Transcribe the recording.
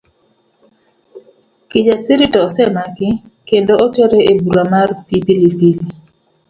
Kijasiri to osemaki kendo otere e bur mar pi Pilipili.